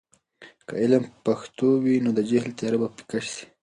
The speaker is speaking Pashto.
که علم په پښتو وي، نو د جهل تیاره به پیکه سي.